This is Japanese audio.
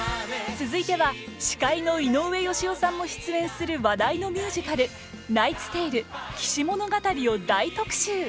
続いては司会の井上芳雄さんも出演する話題のミュージカル「ナイツ・テイル−騎士物語−」を大特集。